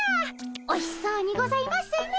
おいしそうにございますね。